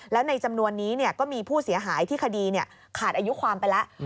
แล้วในจำนวนนี้ก็มีผู้เสียหายที่คดีขาดอายุความไปแล้ว